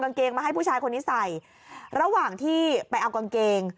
กางเกงมาให้ผู้ชายคนนี้ใส่ระหว่างที่ไปเอากางเกง